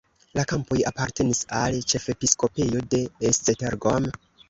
La kampoj apartenis al ĉefepiskopejo de Esztergom.